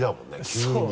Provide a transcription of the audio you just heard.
急に。